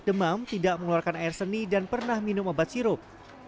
yang berarti riwayat demam tidak mengeluarkan air seni dan pernah minum obat sirup